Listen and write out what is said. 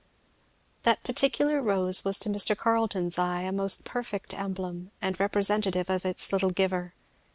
That particular rose was to Mr. Carleton's eye a most perfect emblem and representative of its little giver.